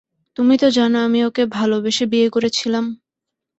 তুমি তো জানো আমি ওকে ভালোবেসে বিয়ে করেছিলাম?